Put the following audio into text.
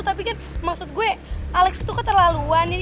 tapi kan maksud gue alex tuh kok terlalu aneh